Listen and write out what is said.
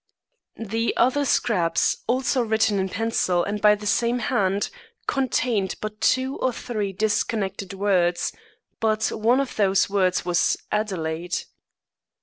The other scraps, also written in pencil and by the same hand, contained but two or three disconnected words; but one of those words was Adelaide.